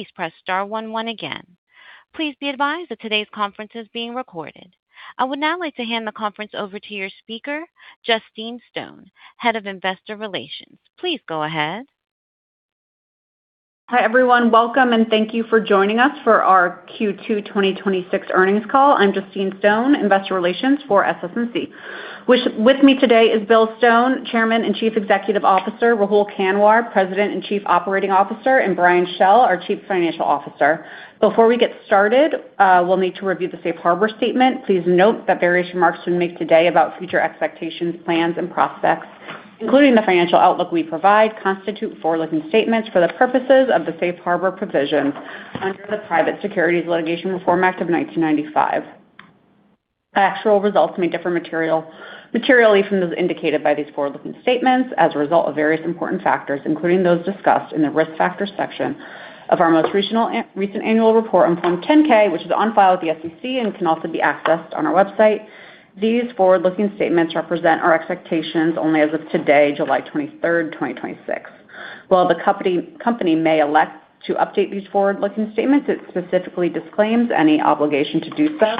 Please press star one one again. Please be advised that today's conference is being recorded. I would now like to hand the conference over to your speaker, Justine Stone, Head of Investor Relations. Please go ahead. Hi, everyone. Welcome and thank you for joining us for our Q2 2026 earnings call. I'm Justine Stone, Investor Relations for SS&C. With me today is Bill Stone, Chairman and Chief Executive Officer, Rahul Kanwar, President and Chief Operating Officer, and Brian Schell, our Chief Financial Officer. Before we get started, we'll need to review the safe harbor statement. Please note that various remarks we make today about future expectations, plans, and prospects, including the financial outlook we provide, constitute forward-looking statements for the purposes of the safe harbor provisions under the Private Securities Litigation Reform Act of 1995. Actual results may differ materially from those indicated by these forward-looking statements as a result of various important factors, including those discussed in the risk factor section of our most recent annual report on Form 10-K, which is on file with the SEC and can also be accessed on our website. These forward-looking statements represent our expectations only as of today, July 23rd, 2026. While the company may elect to update these forward-looking statements, it specifically disclaims any obligation to do so.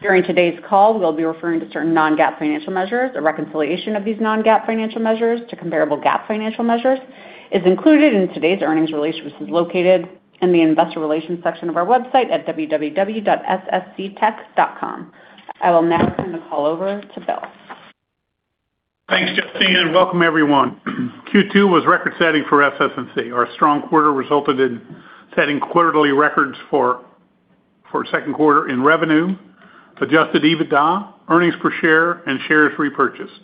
During today's call, we'll be referring to certain non-GAAP financial measures. A reconciliation of these non-GAAP financial measures to comparable GAAP financial measures is included in today's earnings release, which is located in the investor relations section of our website at www.ssctech.com. I will now turn the call over to Bill. Thanks, Justine, and welcome everyone. Q2 was record-setting for SS&C. Our strong quarter resulted in setting quarterly records for second quarter in revenue, adjusted EBITDA, earnings per share, and shares repurchased.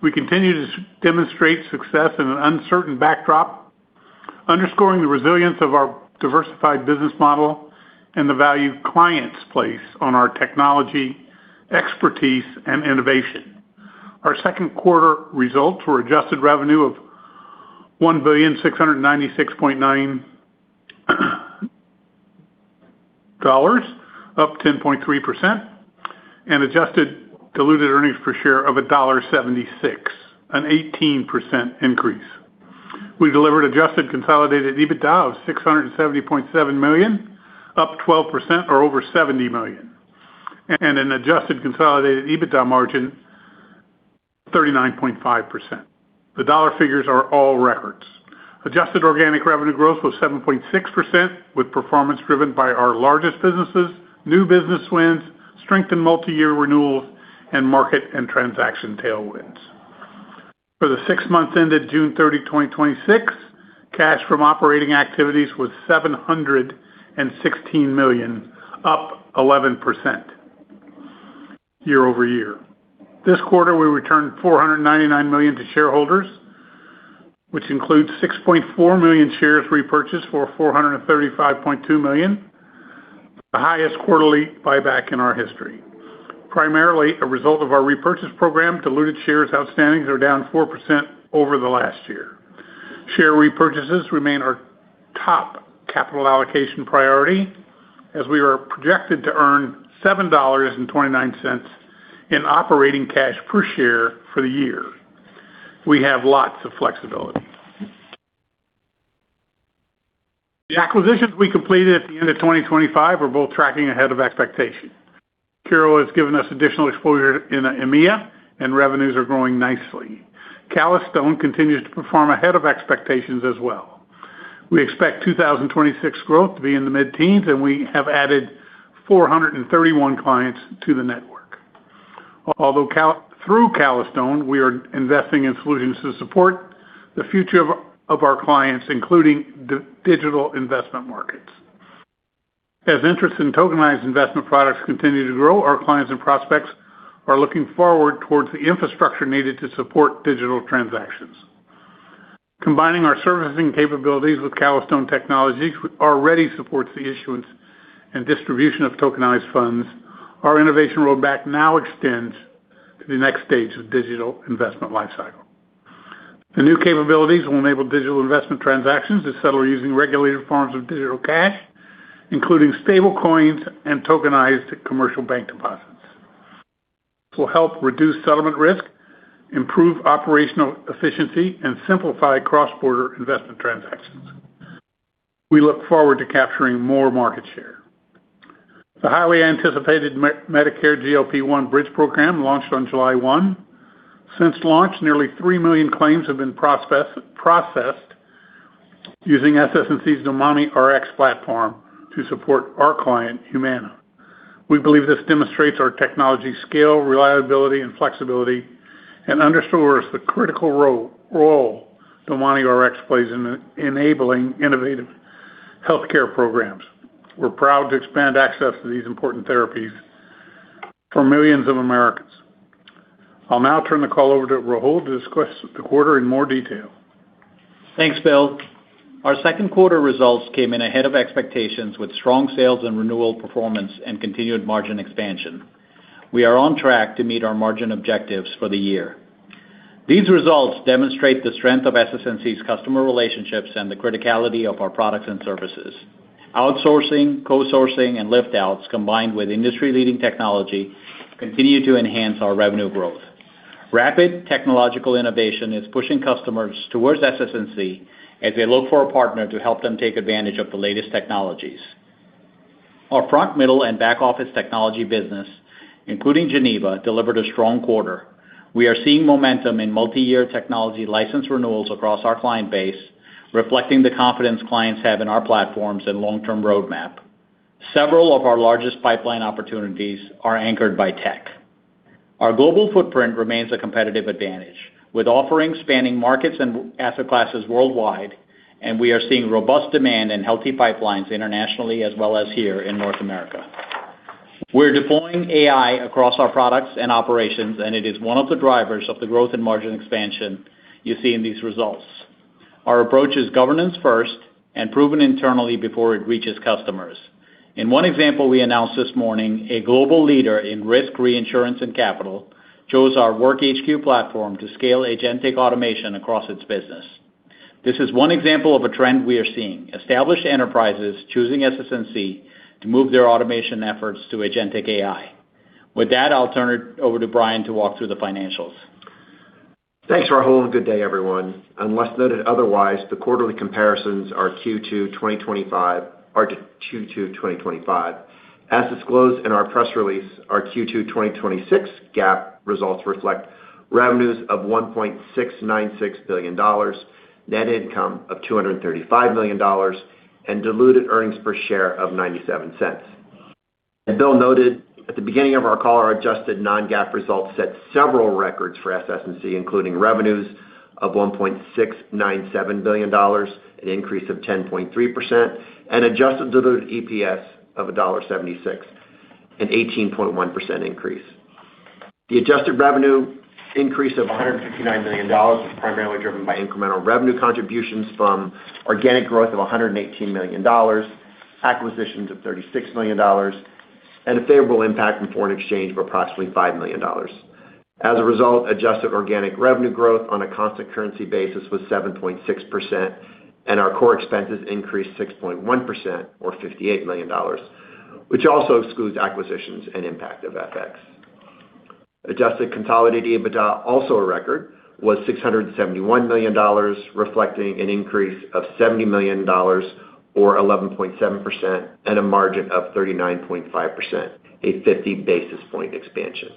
We continue to demonstrate success in an uncertain backdrop, underscoring the resilience of our diversified business model and the value clients place on our technology, expertise, and innovation. Our second quarter results were adjusted revenue of $1,696.9 up 10.3%, and adjusted diluted earnings per share of $1.76, an 18% increase. We delivered adjusted consolidated EBITDA of $670.7 million, up 12% or over $70 million, and an adjusted consolidated EBITDA margin 39.5%. The dollar figures are all records. Adjusted organic revenue growth was 7.6% with performance driven by our largest businesses, new business wins, strengthened multi-year renewals, and market and transaction tailwinds. For the six months ended June 30th, 2026, cash from operating activities was $716 million, up 11% year-over-year. This quarter, we returned $499 million to shareholders, which includes 6.4 million shares repurchased for $435.2 million, the highest quarterly buyback in our history. Primarily a result of our repurchase program, diluted shares outstanding are down 4% over the last year. Share repurchases remain our top capital allocation priority, as we are projected to earn $7.29 in operating cash per share for the year. We have lots of flexibility. The acquisitions we completed at the end of 2025 are both tracking ahead of expectation. Curo has given us additional exposure in EMEA and revenues are growing nicely. Calastone continues to perform ahead of expectations as well. We expect 2026 growth to be in the mid-teens, and we have added 431 clients to the network. Through Calastone, we are investing in solutions to support the future of our clients, including digital investment markets. As interest in tokenized investment products continue to grow, our clients and prospects are looking forward towards the infrastructure needed to support digital transactions. Combining our servicing capabilities with Calastone technologies already supports the issuance and distribution of tokenized funds. Our innovation roadmap now extends to the next stage of digital investment lifecycle. The new capabilities will enable digital investment transactions to settle using regulated forms of digital cash, including stable coins and tokenized commercial bank deposits. This will help reduce settlement risk, improve operational efficiency, and simplify cross-border investment transactions. We look forward to capturing more market share. The highly anticipated Medicare GLP-1 Bridge Program launched on July 1. Since launch, nearly three million claims have been processed using SS&C's DomaniRx platform to support our client, Humana. We believe this demonstrates our technology scale, reliability, and flexibility, and underscores the critical role DomaniRx plays in enabling innovative healthcare programs. We're proud to expand access to these important therapies for millions of Americans. I'll now turn the call over to Rahul to discuss the quarter in more detail. Thanks, Bill. Our second quarter results came in ahead of expectations with strong sales and renewal performance and continued margin expansion. We are on track to meet our margin objectives for the year. These results demonstrate the strength of SS&C's customer relationships and the criticality of our products and services. Outsourcing, co-sourcing, and lift-outs, combined with industry-leading technology, continue to enhance our revenue growth Rapid technological innovation is pushing customers towards SS&C as they look for a partner to help them take advantage of the latest technologies. Our front, middle, and back-office technology business, including Geneva, delivered a strong quarter. We are seeing momentum in multi-year technology license renewals across our client base, reflecting the confidence clients have in our platforms and long-term roadmap. Several of our largest pipeline opportunities are anchored by tech. Our global footprint remains a competitive advantage, with offerings spanning markets and asset classes worldwide, and we are seeing robust demand and healthy pipelines internationally as well as here in North America. We're deploying AI across our products and operations, and it is one of the drivers of the growth and margin expansion you see in these results. Our approach is governance first and proven internally before it reaches customers. In one example we announced this morning, a global leader in risk reinsurance and capital chose our WorkHQ platform to scale agentic automation across its business. This is one example of a trend we are seeing, established enterprises choosing SS&C to move their automation efforts to agentic AI. With that, I'll turn it over to Brian to walk through the financials. Thanks, Rahul, good day, everyone. Unless noted otherwise, the quarterly comparisons are Q2 2025. As disclosed in our press release, our Q2 2026 GAAP results reflect revenues of $1.696 billion, net income of $235 million, and diluted earnings per share of $0.97. As Bill noted at the beginning of our call, our adjusted non-GAAP results set several records for SS&C, including revenues of $1.697 billion, an increase of 10.3%, and adjusted diluted EPS of $1.76, an 18.1% increase. The adjusted revenue increase of $159 million was primarily driven by incremental revenue contributions from organic growth of $118 million, acquisitions of $36 million, a favorable impact from foreign exchange of approximately $5 million. As a result, adjusted organic revenue growth on a constant currency basis was 7.6%, our core expenses increased 6.1%, or $58 million, which also excludes acquisitions and impact of FX. Adjusted consolidated EBITDA, also a record, was $671 million, reflecting an increase of $70 million or 11.7%. A margin of 39.5%, a 50 basis point expansion.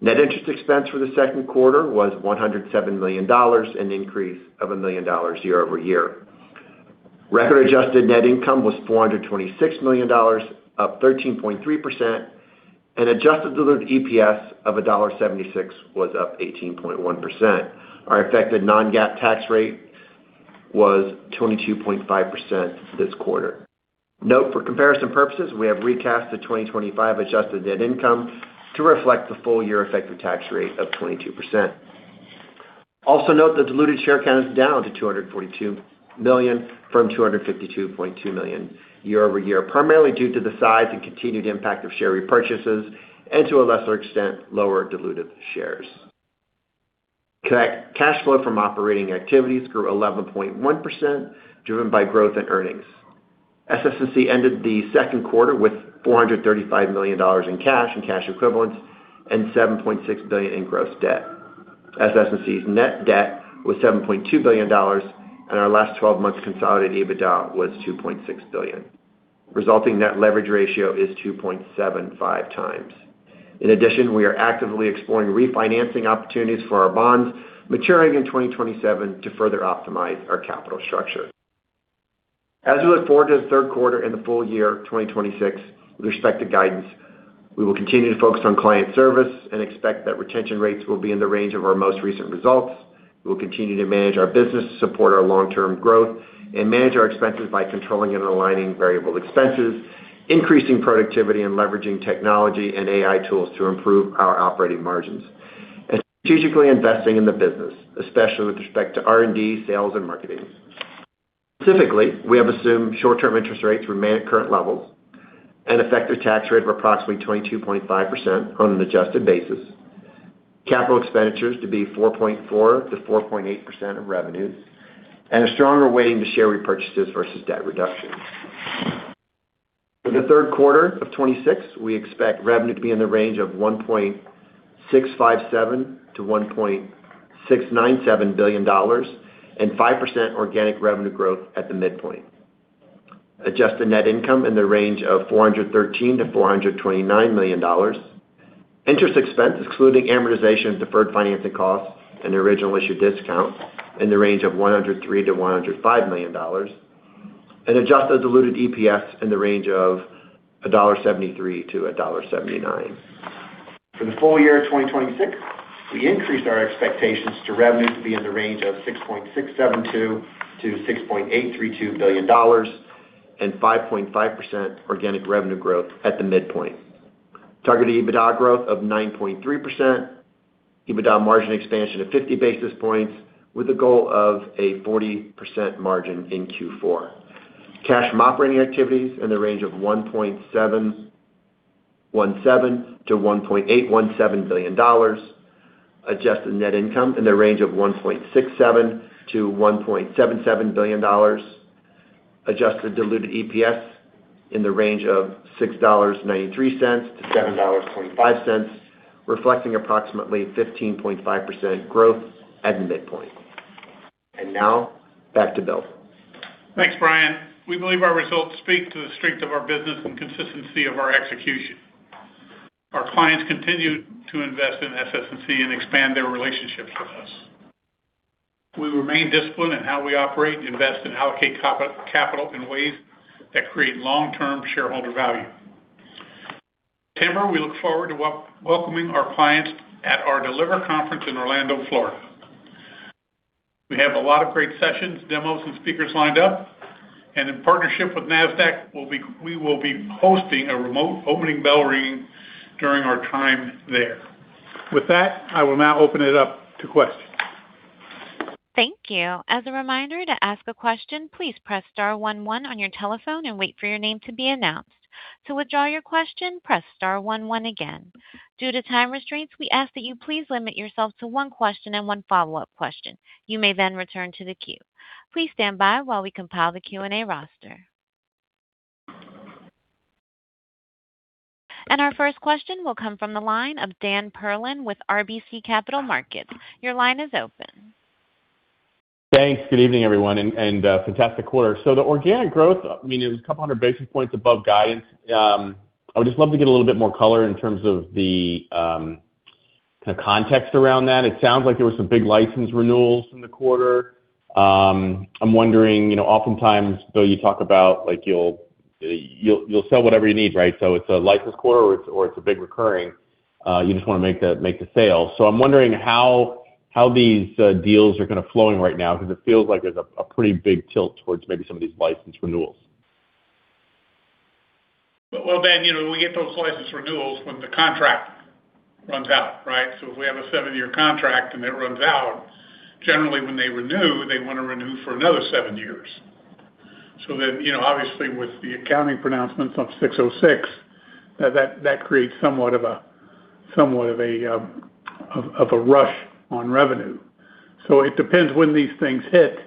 Net interest expense for the second quarter was $107 million, an increase of $1 million year-over-year. Record adjusted net income was $426 million, up 13.3%. Adjusted diluted EPS of $1.76 was up 18.1%. Our effective non-GAAP tax rate was 22.5% this quarter. Note for comparison purposes, we have recasted 2025 adjusted net income to reflect the full-year effective tax rate of 22%. Note the diluted share count is down to 242 million from 252.2 million year-over-year, primarily due to the size and continued impact of share repurchases, to a lesser extent, lower diluted shares. Connect cash flow from operating activities grew 11.1%, driven by growth and earnings. SS&C ended the second quarter with $435 million in cash and cash equivalents and $7.6 billion in gross debt. SS&C's net debt was $7.2 billion, and our last 12 months consolidated EBITDA was $2.6 billion. Resulting net leverage ratio is 2.75 times. In addition, we are actively exploring refinancing opportunities for our bonds maturing in 2027 to further optimize our capital structure. As we look forward to the third quarter and the full year 2026 with respect to guidance, we will continue to focus on client service and expect that retention rates will be in the range of our most recent results. We will continue to manage our business, support our long-term growth, and manage our expenses by controlling and aligning variable expenses, increasing productivity, and leveraging technology and AI tools to improve our operating margins, and strategically investing in the business, especially with respect to R&D, sales, and marketing. Specifically, we have assumed short-term interest rates remain at current levels, an effective tax rate of approximately 22.5% on an adjusted basis, capital expenditures to be 4.4%-4.8% of revenues, and a stronger weighting to share repurchases versus debt reductions. For the third quarter of 2026, we expect revenue to be in the range of $1.657 billion to $1.697 billion and 5% organic revenue growth at the midpoint. Adjusted net income in the range of $413 million to $429 million. Interest expense, excluding amortization of deferred financing costs and the original issue discount in the range of $103 million to $105 million and adjusted diluted EPS in the range of $1.73 to $1.79. For the full year of 2026, we increased our expectations to revenue to be in the range of $6.672 billion to $6.832 billion and 5.5% organic revenue growth at the midpoint. Targeted EBITDA growth of 9.3%, EBITDA margin expansion of 50 basis points with a goal of a 40% margin in Q4. Cash from operating activities in the range of $1.717 billion to $1.817 billion. Adjusted net income in the range of $1.67 billion to $1.77 billion. Adjusted diluted EPS in the range of $6.93 to $7.25, reflecting approximately 15.5% growth at midpoint. Now back to Bill. Thanks, Brian. We believe our results speak to the strength of our business and consistency of our execution. Our clients continue to invest in SS&C and expand their relationships with us. We remain disciplined in how we operate, invest, and allocate capital in ways that create long-term shareholder value. September, we look forward to welcoming our clients at our Deliver Conference in Orlando, Florida. We have a lot of great sessions, demos, and speakers lined up. In partnership with Nasdaq, we will be hosting a remote opening bell ring during our time there. With that, I will now open it up to questions. Thank you. As a reminder, to ask a question, please press star one one on your telephone and wait for your name to be announced. To withdraw your question, press star one one again. Due to time restraints, we ask that you please limit yourself to one question and one follow-up question. You may then return to the queue. Please stand by while we compile the Q&A roster. Our first question will come from the line of Dan Perlin with RBC Capital Markets. Your line is open. Thanks. Good evening, everyone, and fantastic quarter. The organic growth, it was a couple hundred basis points above guidance. I would just love to get a little bit more color in terms of the kind of context around that. It sounds like there were some big license renewals in the quarter. I'm wondering, oftentimes, Bill, you talk about you'll sell whatever you need, right? It's a license quarter or it's a big recurring, you just want to make the sale. I'm wondering how these deals are kind of flowing right now, because it feels like there's a pretty big tilt towards maybe some of these license renewals. Well, Dan, we get those license renewals when the contract runs out, right? If we have a seven-year contract and it runs out, generally when they renew, they want to renew for another seven years. Obviously with the accounting pronouncements of 606, that creates somewhat of a rush on revenue. It depends when these things hit.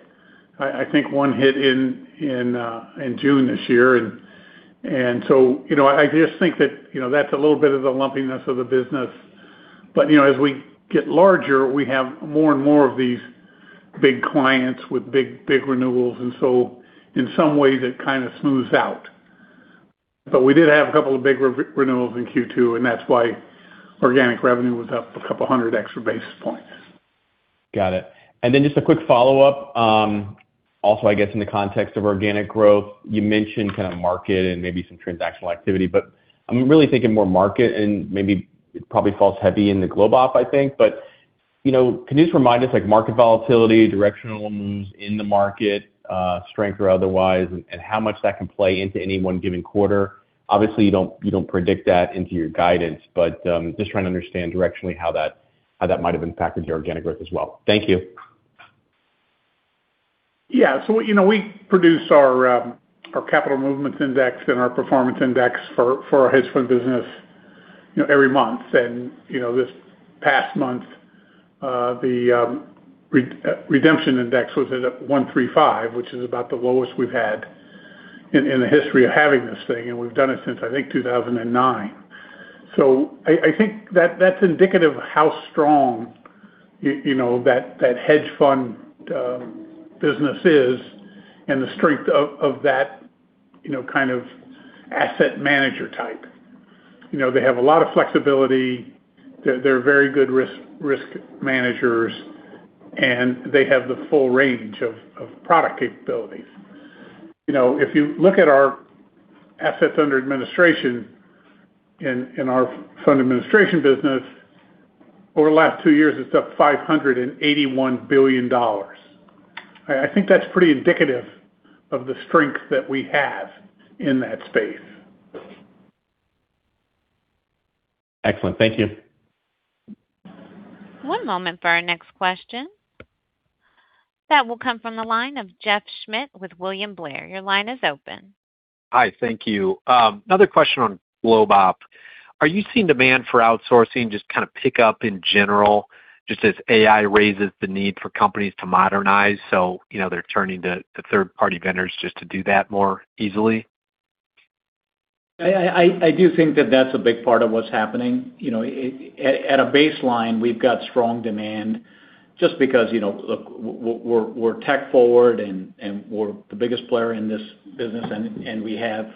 I think one hit in June this year. I just think that's a little bit of the lumpiness of the business. As we get larger, we have more and more of these big clients with big renewals. In some ways it kind of smooths out. We did have a couple of big renewals in Q2, and that's why organic revenue was up a couple hundred extra basis points. Got it. Just a quick follow-up. Also, I guess in the context of organic growth, you mentioned kind of market and maybe some transactional activity, I'm really thinking more market and maybe it probably falls heavy in the GlobeOp, I think. Can you just remind us, like market volatility, directional moves in the market, strength or otherwise, and how much that can play into any one given quarter? Obviously you don't predict that into your guidance, I'm just trying to understand directionally how that might have impacted your organic growth as well. Thank you. Yeah. We produce our capital movements index and our performance index for our hedge fund business every month. This past month, the redemption index was at 135, which is about the lowest we've had in the history of having this thing. We've done it since, I think, 2009. I think that's indicative of how strong that hedge fund business is and the strength of that kind of asset manager type. They have a lot of flexibility. They're very good risk managers, and they have the full range of product capabilities. If you look at our assets under administration in our fund administration business, over the last two years it's up $581 billion. I think that's pretty indicative of the strength that we have in that space. Excellent. Thank you. One moment for our next question. That will come from the line of Jeff Schmitt with William Blair. Your line is open. Hi. Thank you. Another question on GlobeOp. Are you seeing demand for outsourcing just kind of pick up in general, just as AI raises the need for companies to modernize, so they're turning to third-party vendors just to do that more easily? I do think that that's a big part of what's happening. At a baseline, we've got strong demand just because, look, we're tech forward and we're the biggest player in this business, and we have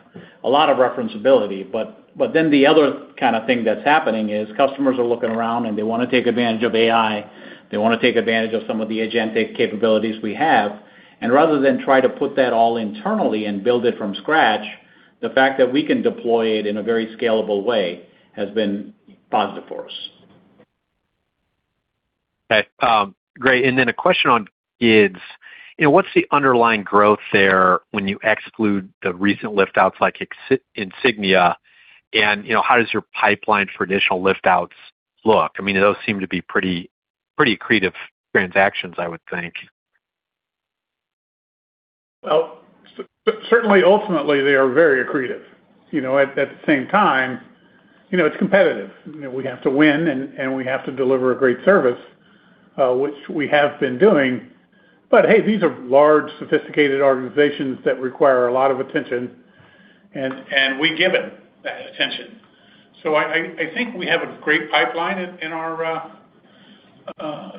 a lot of reference ability. The other kind of thing that's happening is customers are looking around and they want to take advantage of AI. They want to take advantage of some of the agentic capabilities we have. Rather than try to put that all internally and build it from scratch, the fact that we can deploy it in a very scalable way has been positive for us. Okay. Great. A question on GIDS. What's the underlying growth there when you exclude the recent lift outs like Insignia? How does your pipeline for additional lift outs look? Those seem to be pretty accretive transactions, I would think. Well, certainly, ultimately, they are very accretive. At the same time, it's competitive. We have to win and we have to deliver a great service, which we have been doing. Hey, these are large, sophisticated organizations that require a lot of attention, and we give it that attention. I think we have a great pipeline in our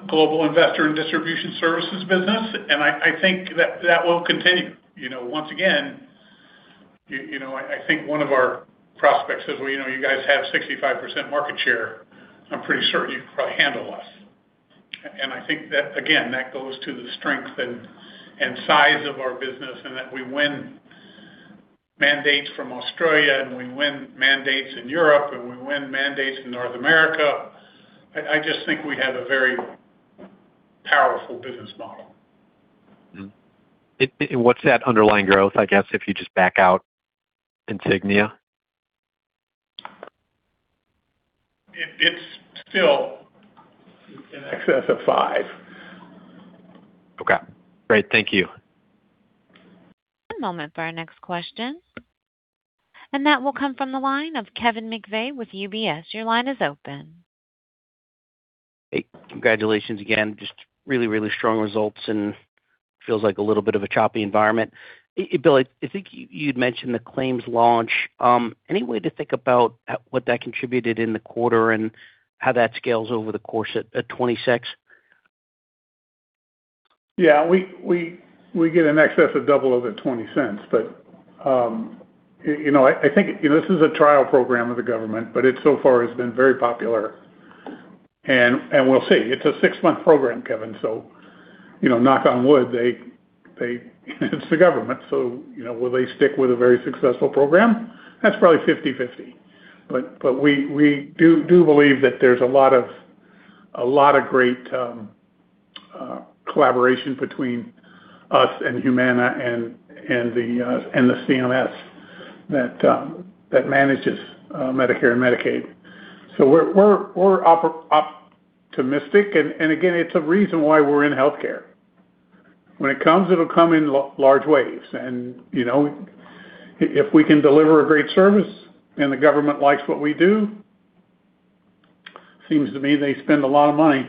global investor and distribution services business, and I think that that will continue. Once again, I think one of our prospects says, "Well, you guys have 65% market share. I'm pretty certain you can probably handle us." I think that, again, that goes to the strength and size of our business, and that we win mandates from Australia and we win mandates in Europe and we win mandates in North America. I just think we have a very powerful business model. What's that underlying growth, I guess, if you just back out Insignia? It's still in excess of five. Okay, great. Thank you. One moment for our next question. That will come from the line of Kevin McVeigh with UBS. Your line is open. Hey, congratulations again. Just really, really strong results and feels like a little bit of a choppy environment. Bill, I think you'd mentioned the claims launch. Any way to think about what that contributed in the quarter and how that scales over the course at 2026? Yeah. We get in excess of double of it $0.20. I think this is a trial program of the government, but it so far has been very popular. We'll see. It's a six-month program, Kevin, so knock on wood. It's the government, will they stick with a very successful program? That's probably 50/50. We do believe that there's a lot of great collaboration between us and Humana and the CMS that manages Medicare and Medicaid. We're optimistic, and again, it's a reason why we're in healthcare. When it comes, it'll come in large waves. If we can deliver a great service and the government likes what we do, seems to me they spend a lot of money.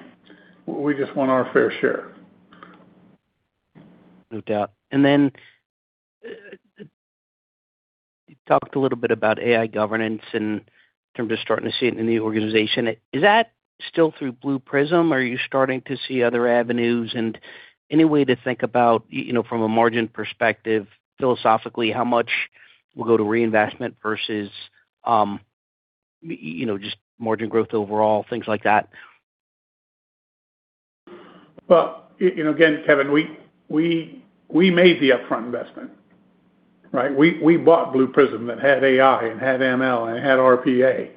We just want our fair share. No doubt. Then you talked a little bit about AI governance in terms of starting to see it in the organization. Is that still through Blue Prism, or are you starting to see other avenues? Any way to think about, from a margin perspective, philosophically, how much will go to reinvestment versus just margin growth overall, things like that? Again, Kevin, we made the upfront investment, right? We bought Blue Prism that had AI and had ML and had RPA,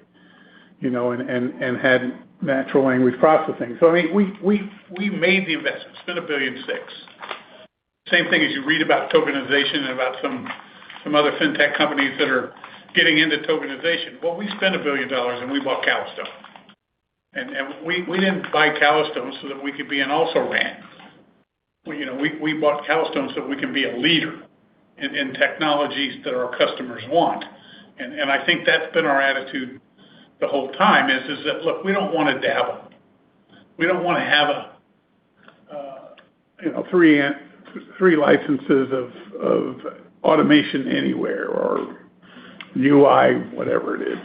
and had natural language processing. We made the investment, spent a $1.6 billion. Same thing as you read about tokenization and about some other fintech companies that are getting into tokenization. We spent $1 billion, and we bought Calastone. We didn't buy Calastone so that we could be an also-ran. We bought Calastone so we can be a leader in technologies that our customers want. I think that's been our attitude the whole time is that, look, we don't want to dabble. We don't want to have three licenses of Automation Anywhere or UiPath, whatever it is.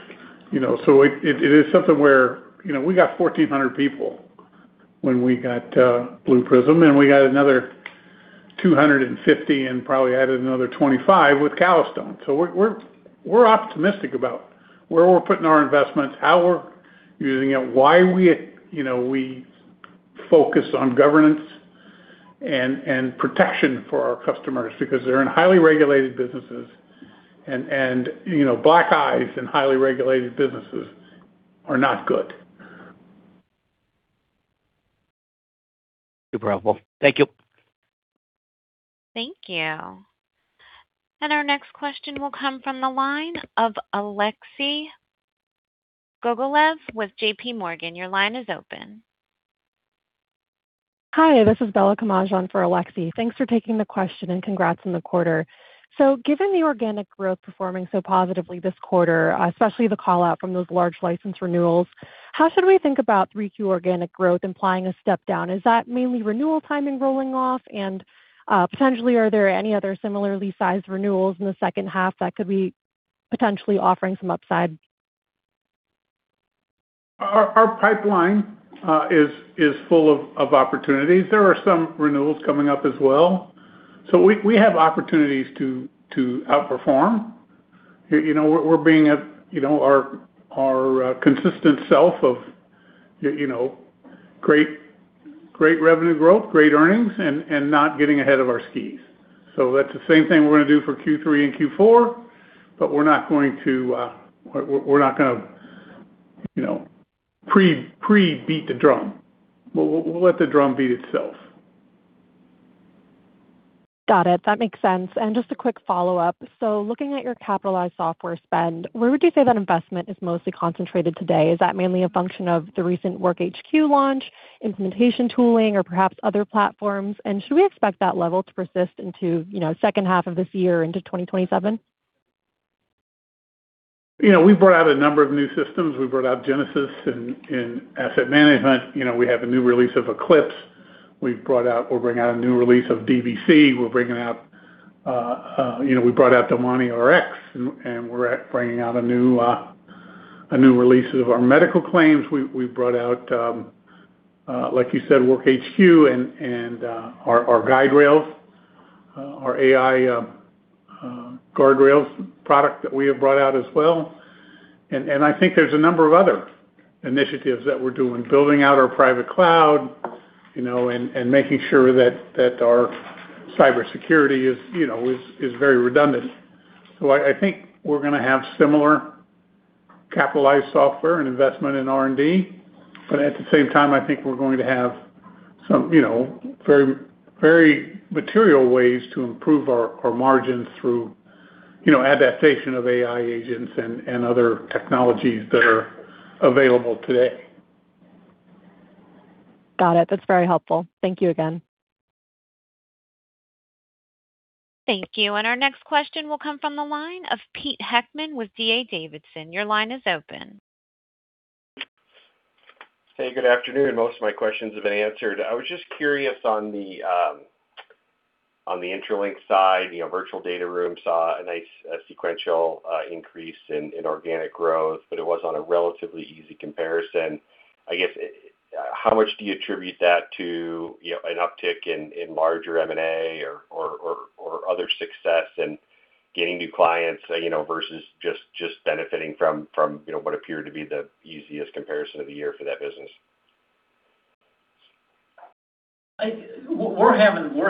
It is something where we got 1,400 people when we got Blue Prism, and we got another 250 and probably added another 25 with Calastone. We're optimistic about where we're putting our investments, how we're using it, why we focus on governance and protection for our customers, because they're in highly regulated businesses, and black eyes in highly regulated businesses are not good. Super helpful. Thank you. Thank you. Our next question will come from the line of Alexei Gogolev with JPMorgan. Your line is open. Hi, this is Bella Camaj for Alexei. Thanks for taking the question and congrats on the quarter. Given the organic growth performing so positively this quarter, especially the call-out from those large license renewals, how should we think about 3Q organic growth implying a step down? Is that mainly renewal timing rolling off and potentially are there any other similarly sized renewals in the second half that could be potentially offering some upside? Our pipeline is full of opportunities. There are some renewals coming up as well. We have opportunities to outperform. We're being our consistent self of great revenue growth, great earnings, and not getting ahead of our skis. That's the same thing we're going to do for Q3 and Q4, but we're not going to pre-beat the drum. We'll let the drum beat itself. Got it. That makes sense. Just a quick follow-up. Looking at your capitalized software spend, where would you say that investment is mostly concentrated today? Is that mainly a function of the recent WorkHQ launch, implementation tooling, or perhaps other platforms? Should we expect that level to persist into second half of this year into 2027? We've brought out a number of new systems. We've brought out Genesis in asset management. We have a new release of Eclipse. We'll bring out a new release of DBC. We brought out DomaniRx, and we're bringing out a new release of our medical claims. We brought out, like you said, WorkHQ and our Guardrails, our AI Guardrails product that we have brought out as well. I think there's a number of other initiatives that we're doing, building out our private cloud, and making sure that our cybersecurity is very redundant. I think we're going to have similar capitalized software and investment in R&D. At the same time, I think we're going to have some very material ways to improve our margins through adaptation of AI agents and other technologies that are available today. Got it. That's very helpful. Thank you again. Thank you. Our next question will come from the line of Peter Heckmann with D.A. Davidson. Your line is open. Hey, good afternoon. Most of my questions have been answered. I was just curious on the Intralinks side, virtual data room saw a nice sequential increase in organic growth, but it was on a relatively easy comparison. I guess, how much do you attribute that to an uptick in larger M&A or other success in getting new clients, versus just benefiting from what appeared to be the easiest comparison of the year for that business? We're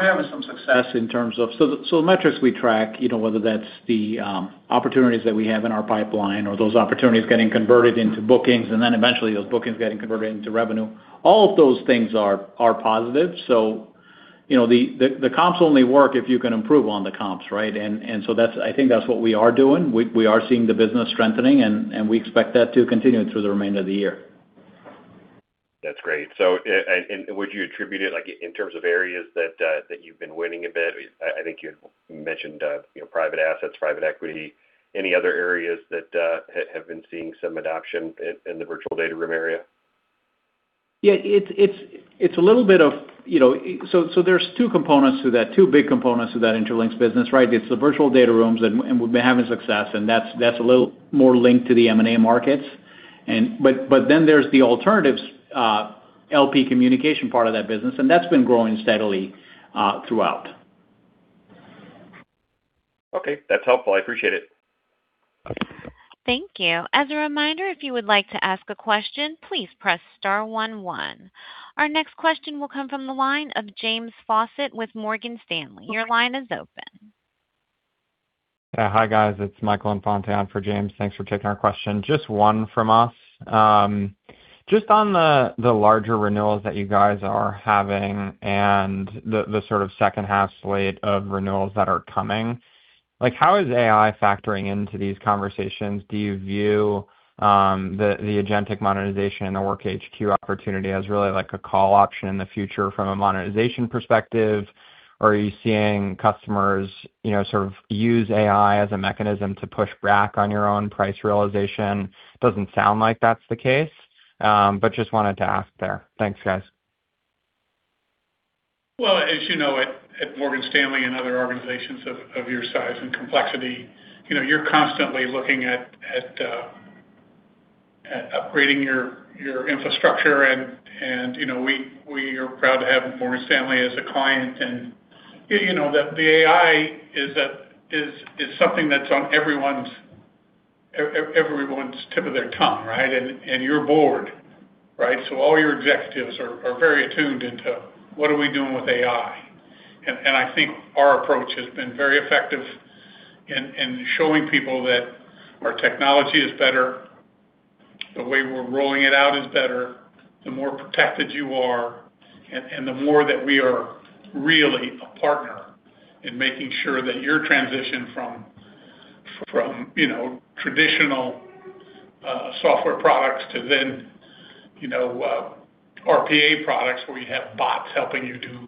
having some success in terms of. The metrics we track, whether that's the opportunities that we have in our pipeline or those opportunities getting converted into bookings, then eventually those bookings getting converted into revenue, all of those things are positive. The comps only work if you can improve on the comps, right? I think that's what we are doing. We are seeing the business strengthening, and we expect that to continue through the remainder of the year. That's great. Would you attribute it, like in terms of areas that you've been winning a bit? I think you had mentioned, private assets, private equity. Any other areas that have been seeing some adoption in the virtual data room area? There's two components to that, two big components to that Intralinks business, right? It's the virtual data rooms, and we've been having success, and that's a little more linked to the M&A markets. There's the alternatives LP communication part of that business, and that's been growing steadily throughout. Okay. That's helpful. I appreciate it. Thank you. As a reminder, if you would like to ask a question, please press star one one. Our next question will come from the line of James Faucette with Morgan Stanley. Your line is open. Hi, guys. It's Michael Infante for James. Thanks for taking our question. One from us. On the larger renewals that you guys are having and the sort of second half slate of renewals that are coming, how is AI factoring into these conversations? Do you view the agentic monetization and the WorkHQ opportunity as really a call option in the future from a monetization perspective? Are you seeing customers sort of use AI as a mechanism to push back on your own price realization? Doesn't sound like that's the case, wanted to ask there. Thanks, guys. Well, as you know, at Morgan Stanley and other organizations of your size and complexity, you're constantly looking at upgrading your infrastructure and we are proud to have Morgan Stanley as a client. The AI is something that's on everyone's tip of their tongue, right? Your board, right? All your executives are very attuned into what are we doing with AI. I think our approach has been very effective in showing people that our technology is better, the way we're rolling it out is better, the more protected you are, and the more that we are really a partner in making sure that your transition from traditional software products to then RPA products where you have bots helping you do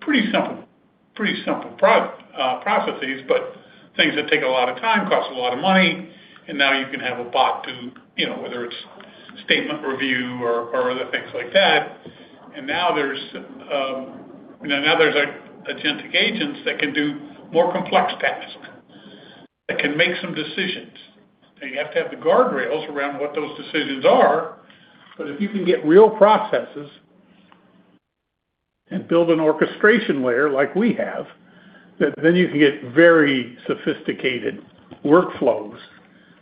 pretty simple processes, but things that take a lot of time, cost a lot of money, and now you can have a bot do, whether it's statement review or other things like that. Now there's agentic agents that can do more complex tasks, that can make some decisions. Now, you have to have the Guardrails around what those decisions are, if you can get real processes and build an orchestration layer like we have, you can get very sophisticated workflows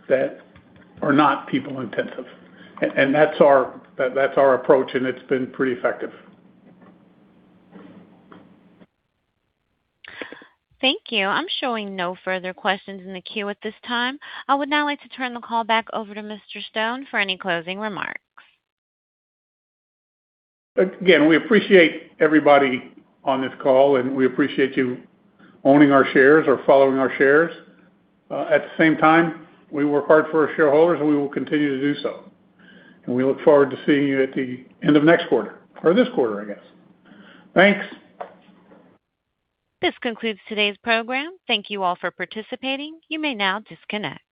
that are not people-intensive. That's our approach, and it's been pretty effective. Thank you. I'm showing no further questions in the queue at this time. I would now like to turn the call back over to Mr. Stone for any closing remarks. Again, we appreciate everybody on this call, and we appreciate you owning our shares or following our shares. At the same time, we work hard for our shareholders, and we will continue to do so, and we look forward to seeing you at the end of next quarter, or this quarter, I guess. Thanks. This concludes today's program. Thank you all for participating. You may now disconnect.